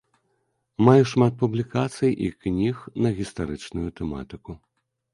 Маю шмат публікацый і кніг на гістарычную тэматыку.